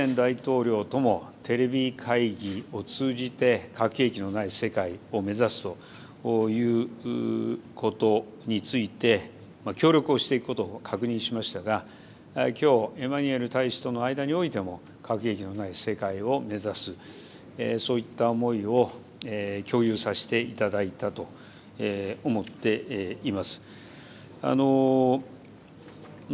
先日、バイデン大統領ともテレビ会議を通じて核兵器のない世界を目指すということについて、協力をしていくことを確認しましたが、きょうはエマニュエル大使との間においても核兵器のない世界を目指す、そういった思いを共有させていただいたと思っています。